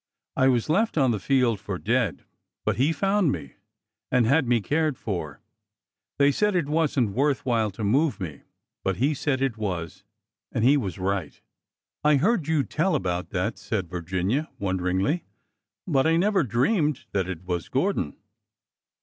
I was left on the field for dead, but he found me and had me cared for. They said it wasn't worth while to move me. But he said it was. And he was right." " I heard you tell about that," said Virginia, wonder ingly, but I never dreamed that it was Gordon